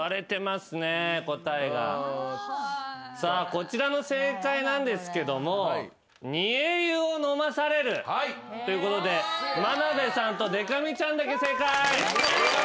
こちらの正解なんですけども。ということで眞鍋さんとでか美ちゃんだけ正解！